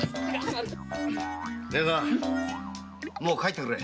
姉さんもう帰ってくれ。